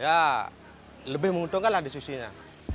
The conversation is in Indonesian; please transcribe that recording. ya lebih menguntungkan lah di sushi nya